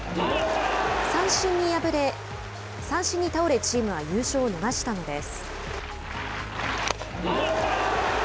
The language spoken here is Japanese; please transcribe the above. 三振に倒れチームは優勝を逃したのです。